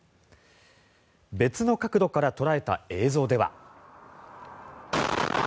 別の角度から捉えた映像では。